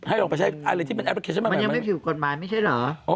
ให้ลองไปใช้อะไรที่มันแอปพลาเคชันใหม่มันยังไม่ถือกกฎหมายไม่ใช่เหรอ